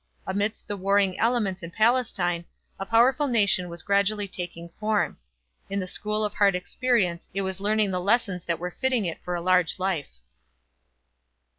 Amidst the warring elements in Palestine a powerful nation was gradually taking form; in the school of hard experience it was learning the lessons that were fitting it for a large life.